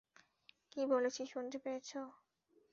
কি বলেছি শুনতে পেয়েছ?